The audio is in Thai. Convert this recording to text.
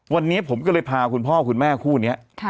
วันนี้ผมก็เลยพาคุณพ่อคุณแม่คู่นี้